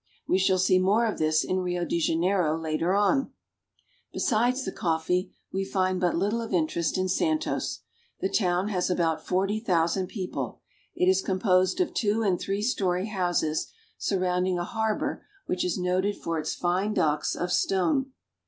We shall see more of this in Rio de Janeiro later on. Besides the coffee, we find but little of interest in Santos. The town has about forty thousand people. It is com posed of two and three story houses, surrounding a harbor which is noted for its fine docks of stone.